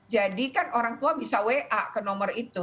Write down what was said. jadi kan orang tua bisa wa ke nomor itu